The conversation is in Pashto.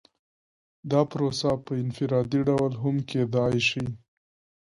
دا پروسه په انفرادي ډول هم کیدای شي.